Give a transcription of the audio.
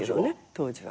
当時は？